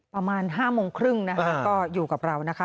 ประมาณ๕โมงครึ่งนะคะก็อยู่กับเรานะคะ